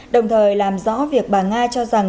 đồng thời làm rõ việc bà nga cho rằng